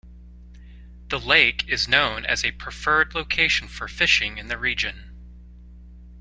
The lake is known as a preferred location for fishing in the region.